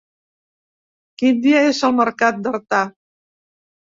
Quin dia és el mercat d'Artà?